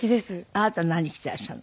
あなた何着ていらっしゃるの？